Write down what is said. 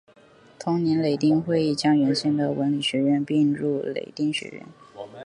同年雷丁议会将原先的文理学院并入雷丁学院。